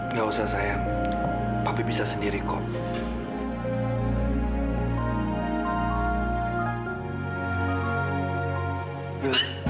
nggak usah sayang tapi bisa sendiri kok